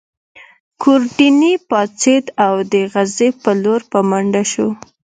ګوردیني پاڅېد او د خزې په لور په منډه شو.